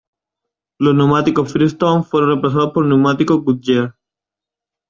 Los neumáticos Firestone fueron reemplazados por neumáticos Goodyear.